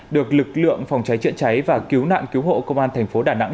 được lực lượng phòng cháy chữa cháy và cứu nạn cứu hộ công an thành phố đà nẵng